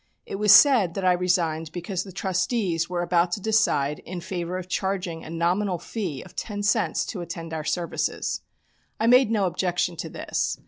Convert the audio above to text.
It was said that I resigned because the trustees were about to decide in favour of charging a nominal fee of ten cents to attend our services. I made no objection to this.